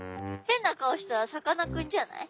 変な顔したさかなクンじゃない？